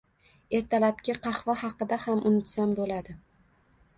Ertalabki qahva haqida ham unutsam bo'ladi